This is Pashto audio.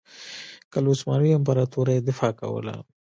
که له عثماني امپراطورۍ دفاع کوله.